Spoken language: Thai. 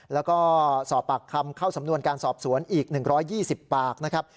แล้วก็สอบปากคำเข้าสำนวนการสอบสวนอีก๑๒๐ปากนะครับ